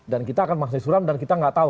dan kita akan masih suram dan kita gak tahu